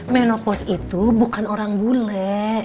menopos itu bukan orang bule